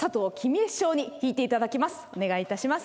お願いいたします。